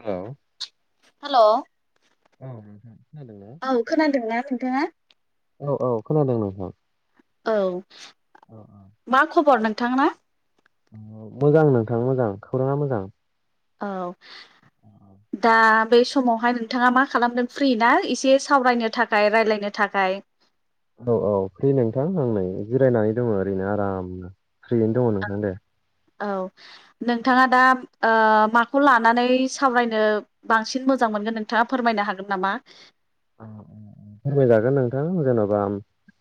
Hello hello औ औ नोंथां खोनादों ना? औ खोनादोंना नोंथाङा औ-औ खोनादों नोंथां औ अ मा खबर नोंथांना ओ मोजां नोंथां मोजां खौराङा मोजां औ दा बे समावहाय नोंथाङा मा खालामदों फ्रि ना एसे सावरायनो थाखाय रायजलायनो थाखाय औ-औ फ्रि नोंथां आंनै जिरायनानै दङ ओरैनो आरामनो फ्रियैनो दङ नोंथां दे औ नोंथाङा दा ओ माखौ लानानै सावरायनो बांसिन मोजां मोनगोन नोंथाङा फोरमायनो हागोन नामा फोरमायजागोन नोंथां जेन'बा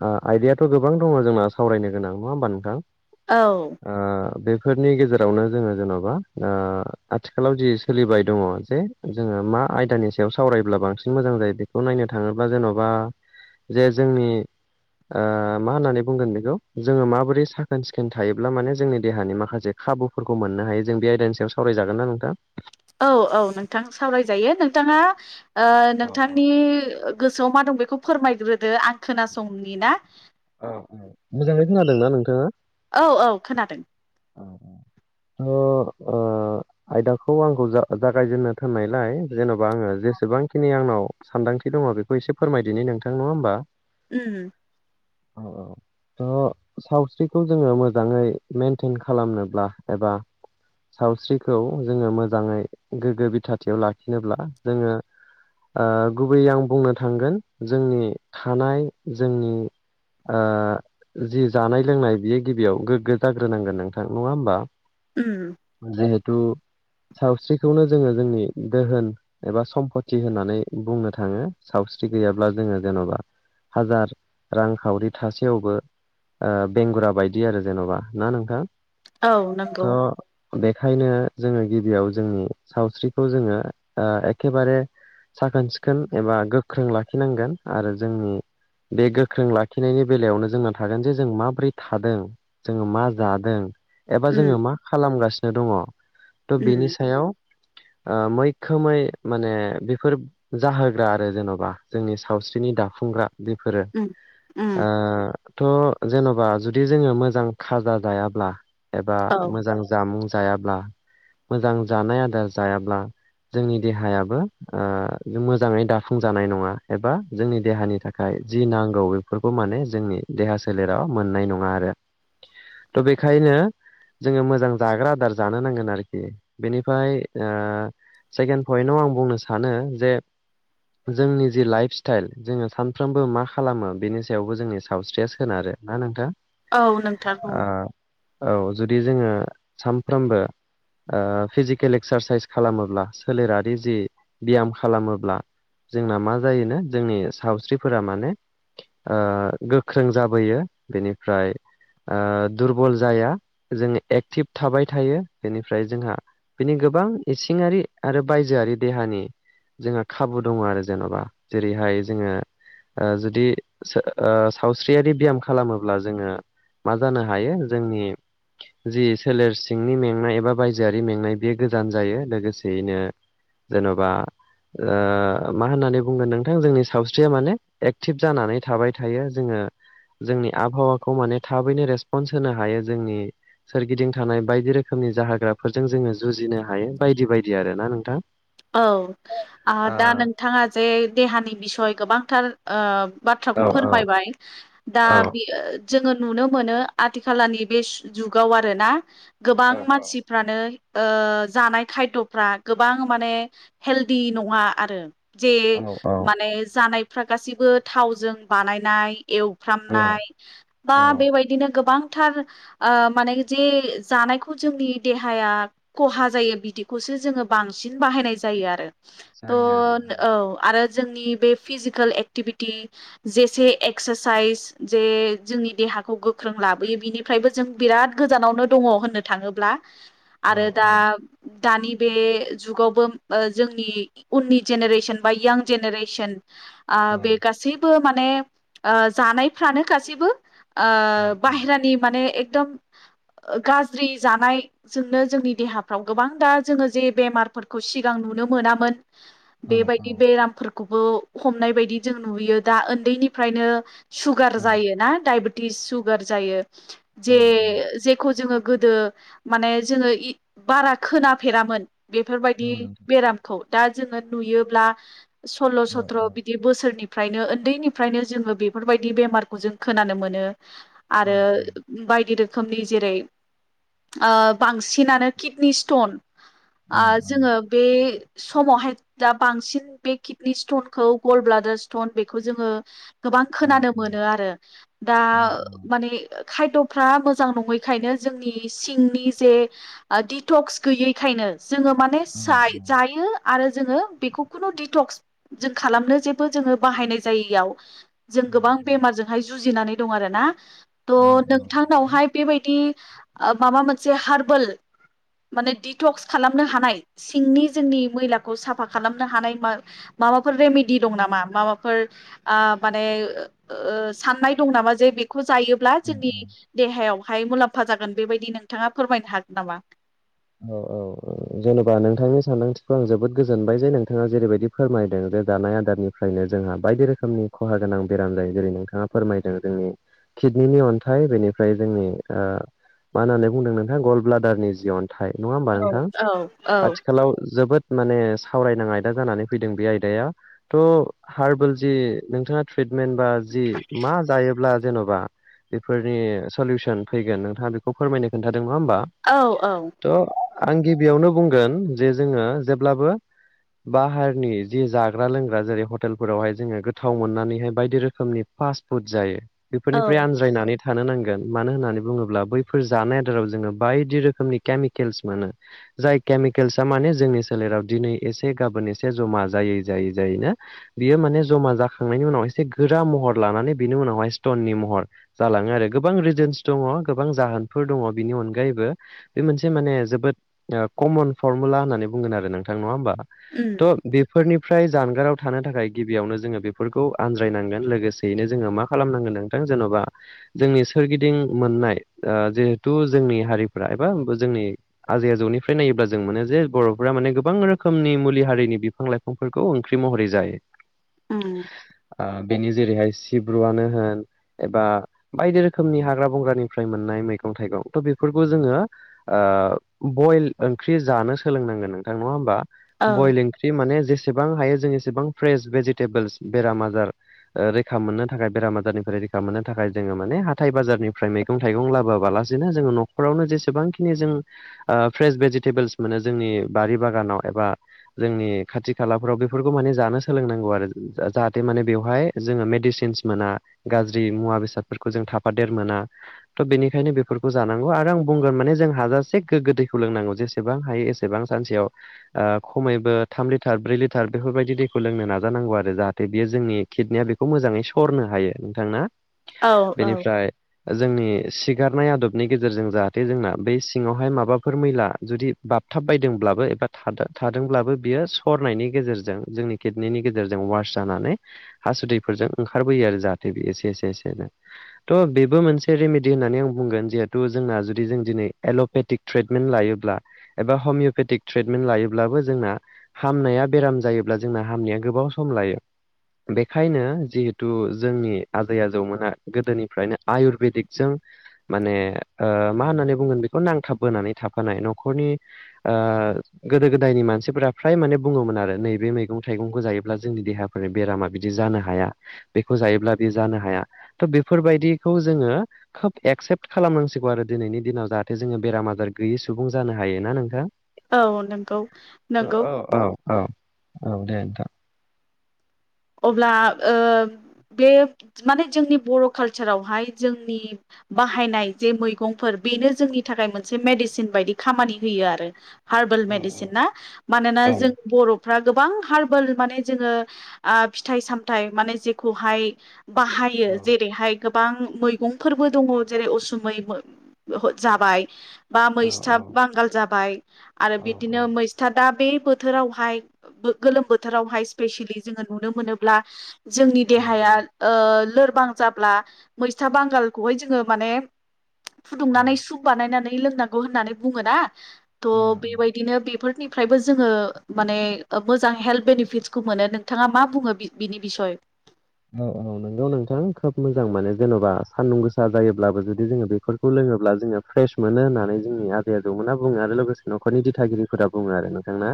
ओ आयदायाथ' गोबां दङ जोंना सावरायनो गोनां नङा होमबा नोंथां औ ओ बे फोरनि गेजेरावनो जोङो जेन'बा ओ आथिखालाव जि सोलिबाय दङ जे जोङो मा आयदानि सायाव सावरायब्ला बांसिन मोजां जायो बे खौ नायनो थाङोब्ला जेन'बा जे जोंनि ओ मा होननानै बुंगोन बेखौ जोङो माबोरै साखोन-सिखोन थायोब्ला माने जोंनि देहानि माखासे खाबुफोरखौ मोननो हायो जों बे आयदानि सायाव सावरायजागोन ना नोंथां औ-औ नोंथां सावरायजायो नोंथाङा ओ औ नोंथांनि गोसोआव मा दं बेखौ फोरमायग्रोदो आं खोनासंनि ना औ-औ मोजाङै खोनादों ना नोंथाङा औ-औ खोनादों [unintelligible] आयदाखौ आंखौ जा जागायजेननो थोननायलाय जेन'बा आङो जेसेबांखिनि आंनाव सानदां थि दङ बेखौ एसे फोरमायदिनि नोंथां नङा होनबा उम आ सावस्रिखौ जोङो मोजाङै [unintelligible] एटेन खालामनोब्ला एबा सावस्रिखौ जोङो मोजाङै गोग्गो बिथाथियाव लाखिनोब्ला जोङो ओ गुबैयै आं बुंनो थांगोन जोंनि थानाय जोंनि ओ जि जानाय लोंनाय बियो गिबियाव गोग्गो जाग्रोनांगोन नोंथां, नङा होमबा? उम। [unintelligible] सावस्रिखौनो जोङो जोंनि दोहोन एबा सम्पति होननानै बुंनो थाङो। सावस्रि स्रि गैयाब्ला जोङो जेन'बा हाजार रांखावरि थासेयावबो ओ‌ बेंगुरा बायदि आरो जेन'बा, ना नोंथां? औ नंगौ। थ' बेखायनो जोङो गिबियाव जोंनि सावस्रिखौ जोङो ओ एखेबारे साखोन सिखोन एबा गोख्रों लाखिनांगोन आरो जोंनि बे गोख्रों लाखिनायनि बेलायावनो जोंना थागोन जे जों माबोरै थादों? जोङो मा जादों? एबा उम जोङो मा खालामगासिनो दङ? थ' उम बेनि सायाव [unintelligible] ओ मैखोमै माने बेफोर जाहोग्रा आरो जेन'बा जोंनि सावस्रिनि दाफुंग्रा। बेफोरो। उम ओ उम थ' जेन'बा जुदि जोङो मोजां खाजा जायाब्ला एबा औ मोजां जामुं जायाब्ला मोजां जानाय आदार जायाब्ला जोंनि देहायाबो ओ मोजाङै दाफुंजानाय नङा एबा जोंनि देहानि थाखाय जि नांगौ बेफोरखौ माने जोंनि देहा सोलेराव मोननाय नङा आरो। थ' बेखायनो जोङो मोजां जाग्रा आदार जानो नांगोन आरोखि। बेनिफ्राय सेकेणन्ड पइन्टआव आं बुंनो सानो जे जोंनि जि लाइफ स्टाइल जोङो सानफ्रोमबो मा खालामो बेनि सायावबो जोंनि सावस्रिया सोनारो। ना नोंथां? औ नोंथारगौ। औ जुदि जोङो सानफ्रोमबो औ फिजिकेल एक्सारसाइस खालामोब्ला सोलेरारि जि बियाम खालामोब्ला जोंना मा जायोनो जोंनि सावस्रिफोरा माने ओ गोख्रों जाबोयो बेनिफ्राय ओ दुरबल जाया जोङो एक्टिभ थाबाय थायो। बेनिफ्राय जोंहा बिनि गोबां बां इसिंआरि आरो बायजोआरि देहानि जोंहा खाबु दङ' आरो जेन'बा जेरैहाय जोङो ओ जुदि सो ओ सावस्रियारि बियाम खालामोब्ला जोङो मा जानो हायो जोंनि जि सोलेर सिंनि मेंनाय एबा बायजोआरि मेंनाय बेयो गोजान जायो। लोगोसेयैनो जेन'बा ओ मा होननानै बुंगोन नोंथां जोंनि सावस्रिया माने एक्टिभ जानानै थाबाय थायो जोङो जोंनि आबहावाखौ माने थाबैनो रेसपन्स होनो हायो जोंनि सोरगिदिं थानाय बायदि रोखोमनि जाहाग्राफोरजों जोङो जुजिनो हायो बायदि बायदि आरो ना नोंथां। औ आ दा ओ नोंथाङा जे देहानि बिसय गोबांथार ओम बाथ्राखौ औ औ फोरमायबाय। दा औ बेयो जोङो नुनो मोनो आथिखालानि बे सु जुगाव आरो ना गोबां मानसिफ्रानो ओ जानाय खायद'फ्रा गोबां माने हेल्डि नङा आरो जे औ औ औ माने जानाय फ्रा गासिबो थावजों बानायनाय एवफ्रामनाय बा बेबायदिनो गोबां थार माने जे जानायखौ जोंनि देहाया खहा जायो बिदिखौसो जोङो बांसिन बाहायनाय जायो आरो। सारि आरो थ' ओं। औ आरो जोंनि बे फिजिकेल एक्टिभिटि जेसे एक्सारसाइस जे जोंनि देहा हा गोख्रों लाबोयो बिनिफ्रायबो जों बिराद गोजानावनो दङ' होननो थाङोब्ला। आरो दा दानि बे जुगावबो ओ जोंनि उननि जेनेरेसन बा यां जेनेरेसन आ बे गासैबो माने ओ जानायफ्रानो गासैबो आ बाहेरानि माने एकदम गाज्रि जानायजोंनो जोंनि देहाफ्राव गोबां दा जोङो जे बेमार फोरखौ सिगां नुनो मोनामोन बेबायदि बेराम खौबो हमनाय बायदि जों नुयो दा उन्दैनिफ्रायनो सुगार जायो ना दायब थिस सुगार जायो जे जेखौ जोङो गोदो माने जोङो बारा खोनाफेरामोन बे फोरबायदि बेरामखौ दा जोङो नुयोब्ला सल्ल' सथ्र' बिदि बोसोरनि फ्रायनो उन्दैनिफ्रायनो जोङो बेफोरबायदि बेमारखौ जों खोनानो मोनो आरो बायदि रोख रोखोमनि जेरै ओ बांसिनानो किडनि स्टन आ जोङो बे समावहाय दा बांसिन बे किडनि स्टनखौ गल्ड ब्लादार स्टन बेखौ जोङो गोबां खोनानो मोनो आरो दा माने खायद'फ्रा मोजां नङैखायनो जोंनि सिंनि जे दिडटक्स गैयैखायनो जोङो माने साय जायो आरो जोङो बेखौ खुनु दिडटक्स जों खालामनो जेबो जोङो बाहायनाय जायैयाव जों गोबां बेमारजोंहाय जुजिनानै दं आरो ना थ' नोंथांनावहाय बेबायदि ओ माबा मोनसे हारबेल माने दिथ'खस खालामनो हानाय सिंनि जोंनि मैलाखौ साफा खालामनो हानाया माबाफोर रेमिडि दं नामा मा माबाफोर आ माने सान नाय दंनामाजे बेखौ जायो ब्ला जोंनि देहायावहाय मुलाम्फा जागोन बेबायदि नोंथाङा फोरमायनो हागोन नामा औ औ औ जेन'बा नोंथांनि सानदांथिखौ आं जोबोद गोजोनबाय जे नोंथाङा जेरैबायदि फोरमायदों जे जानाय आदारनिफ्रायनो जोंहा बायदि रोखोमनि खहा गोनां बेराम जायो जेरै नोंथाङा फोरमायदों जोंनि किडनिनि अन्थाइ बेनिफ्राय जोंनि ओ मा होननानै बुंदों नोंथाङा गल्ड ब्लाडारनि जि अन नङा होमबा औ नोंथां औ औ आथिखालाव जोबोद माने सावरायनां आयदा जानानै फैदों बे आयदाया थ' हार्बल जि नोंथाङा ट्रिटमेन्ट बा जि मा जायोब्ला जेन'बा बेफोरनि सलिसन फैगोन नोंथाङा बेखौ फोरमायनो खोन्था औ औ आं गिबियावनो बुंगोन जे जोङो जेब्लाबो बाहारनि जि जाग्रा लोंग्रा जेरै हटेलफोरावहाय जोङो गोथाव मोननानैहाय बायदि रोखोमनि फास्ट फुड जायो बेफोरनिफ्राय औ आनज्रायनानै थानो नांगोन मानो होननानै बुङोब्ला बैफोर जानाय आदाराव जोङो बायदि रोखोमनि केमिकेल्स मोनो जाय केमिकेल्सआ माने जोंनि सोलेराव दिनै एसे गाबोन एसे जमा जायो जायै जायै जायैनो बियो माने जमा जाखांनायनि उनाव एसे गोरा महर लानानै बिनि उनावहाय स्टन नि महर जालाङो आरो गोबां रिजन्स दङ गोबां जाहोनफोर दङ बिनि अनगायैबो बे मोनसे माने जोबोद ओ कमन फरमुला होननानै बुंगोन आरो नोंथां नङा होमबा उम थ' बेफोरनि फ्राय जानगाराव थानो थाखाय गिबियावनो जोङो बेफोरखौ आनज्रायनांगोन लोगोसेयैनो जोङो मा खालामनांगोन नोंथां जेन'बा जोंनि सोरगिदिं मोननाय ओ जिहेथु जोंनि हारिफ्रा बा होमबो जोंनि आजै आजौनिफ्राय नायोब्ला जों मोनो जे बर'फोरा माने गोबां रोखोमनि मुलि हारिनि बिफां लाइफांफोरखौ ओंख्रि मरै जायो उम ओ बेनि जेरैहाय सिब्रुआनो होन एबा बायदि रोखोमनि हाग्रा बंग्रानिफ्राय मोननाय मैगं थाइगं थ' बेफोरखौ जोङो ओ बयल ओंख्रि जानो सोलोंनांगोन नोंथां नङा होमबा औ बयल ओंख्रि माने बेसेबां हायो जों एसेबां फ्रेस भेजिटेबोल्स बेराम आजार रैखा मोननो थाखाय बेराम आजारनिफ्राय रैखा मोननो थाखाय जोङो माने हाथाइ बाजारनिफ्राय मैगं थाइगं लाबोआलासिनो जोङो न'खरावनो जे जेसेबांखिनि जों ओ फ्रेस भेजिटेबोल्स मोनो जोंनि बारि बागानाव एबा जोंनि खाथि खालाफ्राव बेफोरखौ माने जानो सोलोंनांगौ आरो जाहाथे माने बेवहाय जोङो मेडिसिनस मोना गाज्रि मुवा बेसादफोरखौ जों थाफादेर मोना थ' बेनिखायनो बेफोरखौ जानांगौ आरो आं बुंगोन माने जों हाजासे गोग्गो दैखौ लोंनांगौ जेसेबां हायो एसेबां सानसेयाव खमैबो थाम लिटार ब्रै लिटार बेफोरबायदि दैखौ लोंनो नाजानांगौ आरो जाहाथे बियो जोंनि किडनिया बेखौ मोजाङै सरनो हायो नोंथां औ औ बेनिफ्राय जोंनि सिगारनाय आदबनि गेजेरजों जाहाथे जोंना बेै सिङावहाय माबाफोर मैला जुदि बाबथाब बायदोंब्लाबो एबा थादोंब्लाबो बेयो सरनायनि गेजेरजों जोंनि किडनिनि गेजेरजों वास जानानै हासुदैफोरजों ओंखारबोयो आरो जाहाथे बियो एसे एसे नो थ बेबो मोनसे बिदि होननानै आं बुंगोन जेहुथु जोंना जों दिनै एल'पेटिक ट्रिटमेन्ट लायोब्ला एबा हमिय'पेटिक ट्रिटमेन्ट लायोब्लाबो जोंना हामनाया बेराम जायोब्ला जोंना हामनाया गोबाव सम लायो बेखायनो जिहेथु जोंनि आजै आजौमोना गोदोनिफ्रायनो आयुरबेदिकजों माने ओ मा होननानै बुंगोन बेखौ नांथाब बोनानै थाफानाय न'खरनि ओ गोदो गोदायनि मानसिफोरा फ्राय माने बुङोमोन आरो नैबे मैगं थाइगंखौ जायोब्ला जोंनि देहाफोर बेरामा बिदि जानो हाया बेखौ जायोब्ला बे जानो हाया थ बेफोरबायदिखौ जोङो खोब एक्सेप्ट खालामनांसिगौ आरो दिनैनि दिनाव जाहाथे जोङो बेराम आजार गैयै सुबुं जानो हायो ना नोंथां? औ नंगौ औ नंगौ औ औ औ दे नोंथां अब्ला ओ बे माने जोंनि बर' कालसारावहाय जोंनि बाहायनाय जे मैगंफोर बेनो जोंनि थाखाय मोनसे मेडिसिन बायदि खामानि होयो आरो हार्बेल मेडिसिन ना मानोना जों बर'फ्रा गोबां हार्बेल माने जोङो ओ फिथाइ सामथाइ माने जेखौहाय बाहायो जेरैहाय गोबां मैगंफोरबो दङ जेरै उसुमै जाबाय बा मैस्था बांगाल जाबाय आरो बिदिनो मैस्था दा बे बोथोरावहाय गोलोम बोथोरावहाय स्पेसियेलि जोङो नुनो मोनोब्ला जोंनि देहाया ओ लोरबां जाब्ला मैथा बांगालखौहाय जोङो माने फुदुंनानै सुप बानायनानै लोंनांगौ होननानै बुङो ना थ' बेबायदिनो बेफोरनि ओमफ्रायबो जोङो माने मोजां हेल्थ बेनिफिटसखौ मोनो बिथाङा मा बुङो बिनि बिसय? औ औ नोंगौ नोंथां खोब मोजां माने जेन'बा सान्दुं गोसा जायोब्लाबो जुदि जोङो बेफोरखौ लोङो ब्ला जोङो फ्रेस मोनो होननानै जोंनि आबै आबौमोनना बुङो आरो लोगोसे न'खरनि दिथागिरिफोरा बुङो आरो नोंथां ना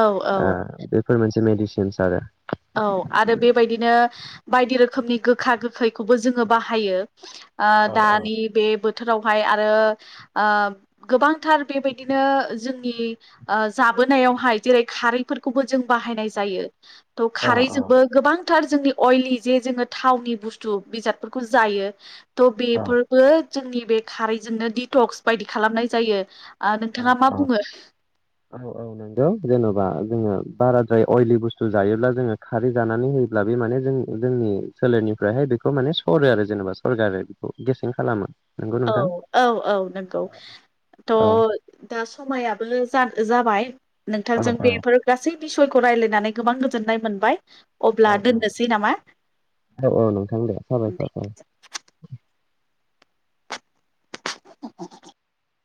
औ औ बेफोर मोनसे मेडिसिनस आरो औ आरो बेबायदिनो बायदि रोखोमनि गोखा गोखैखौबो जोङो बाहायो ओ दानि बे बोथोराव आरो ओ गोबांथार बेबायदिनो जोंनि जाबोनाय जेरै खारैफोरखौबो जों बाहायनाय जायो खारजोंबो गोबां थार जोंनि अइलि जे जोङो थावनि बुस्थु बिजाबफोरखौ जायो त' बेफोरबो जोंनि बे खारैजोंनो डिटक्स बायदि खालामनाय जायो। आ नोंथाङा मा बुङो? औ औ नंगौ जेन'बा जोङो बाराद्राय अइलि बुस्थु जायोब्ला जोङो खारै जानानै होयो। अब्ला बे माने जों जोंनि सोलेरनिफ्रायहाय बेखौ माने सरो आरो जेनेबा सरगारो बेखौ गेसें खालामो। नंगौ औ नोंथां औ औ नंगौ औ त' दा समायाबो जाब जाबाय नोंथांजों बेफोर गासै बिसयखौ रायलायनानै गोबां गोजोननाय मोनबाय। औ अब्ला औ दोननोसै नामा औ औ नोंथां दे साबायखर थाबाय। [unintelligible]